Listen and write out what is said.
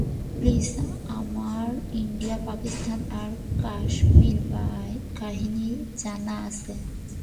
Please, আমার India Pakistan আর কাশ্মীর কাহিনী জানা আছে।